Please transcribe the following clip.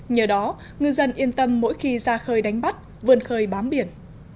nhờ đó ngư dân yên tâm mỗi khi ra khơi đánh bắt vươn khơi bám biển